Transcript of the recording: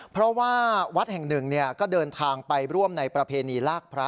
เพราะว่าวัดแห่งหนึ่งก็เดินทางไปร่วมในประเพณีลากพระ